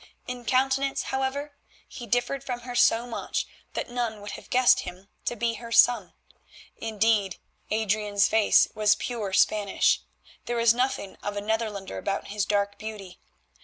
In countenance, however, he differed from her so much that none would have guessed him to be her son. Indeed, Adrian's face was pure Spanish, there was nothing of a Netherlander about his dark beauty.